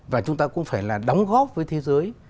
và chúng ta cũng phải là đóng góp với thế giới